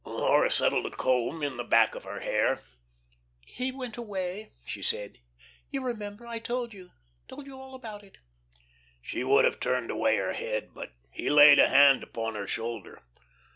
Laura settled a comb in the back of her hair. "He went away," she said. "You remember I told you told you all about it." She would have turned away her head, but he laid a hand upon her shoulder.